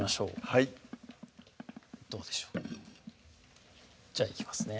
はいどうでしょうじゃあいきますね